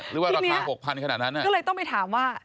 หรือว่าราคา๖๐๐๐ขนาดนั้นน่ะที่นี้ก็เลยต้องไปถามว่า